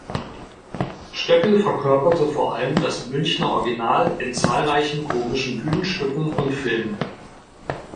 Stöckel verkörperte vor allem das „Münchner Original“ in zahlreichen komischen Bühnenstücken und Filmen.